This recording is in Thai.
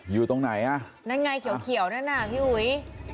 อยู่ตรงไหนอ่ะนั่นไงเขียวนั่นน่ะพี่อุ๋ย